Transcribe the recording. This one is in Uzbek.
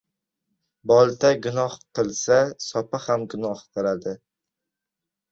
• Bolta gunoh qilsa, sopi ham gunoh qiladi.